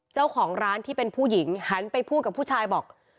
เจ้าของร้านที่เป็นผู้หญิงหันไปพูดกับผู้ชายบอก